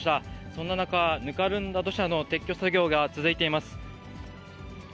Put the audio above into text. そんな中、ぬかるんだ土砂の撤去作業が続いています。